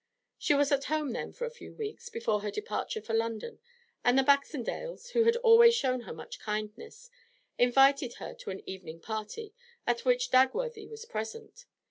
She was at home then for a few weeks before her departure for London, and the Baxendales, who had always shown her much kindness, invited her to an evening party, at which Dagworthy was present.